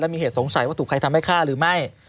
มีเหตุสงสัยว่าถูกใครทำให้ฆ่าหรือไม่